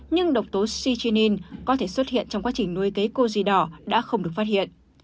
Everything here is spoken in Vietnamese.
nhưng độc tố shichinin có thể xuất hiện trong quá trình nuôi kế koji đỏ đã không được phát hiện